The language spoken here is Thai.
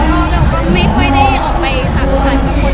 แล้วเราก็ไม่ค่อยได้ออกไปสร้างสันกับคน